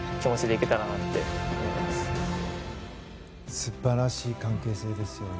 素晴らしい関係性ですよね。